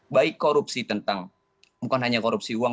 baik korupsi tentang bukan hanya korupsi uang